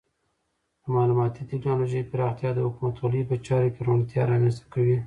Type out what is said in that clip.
د معلوماتي ټکنالوژۍ پراختیا د حکومتولۍ په چارو کې روڼتیا رامنځته کوي.